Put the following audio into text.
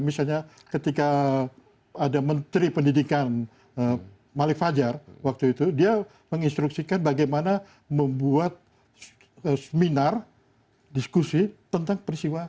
misalnya ketika ada menteri pendidikan malik fajar waktu itu dia menginstruksikan bagaimana membuat seminar diskusi tentang peristiwa